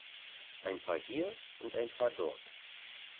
Ein paar hier und ein paar dort.